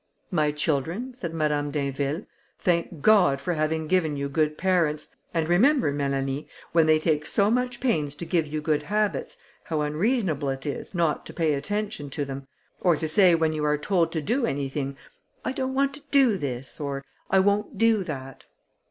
"My children," said Madame d'Inville, "thank God for having given you good parents, and remember, Mélanie, when they take so much pains to give you good habits, how unreasonable it is not to pay attention to them, or to say when you are told to do anything, 'I don't want to do this,' or 'I won't do that.'"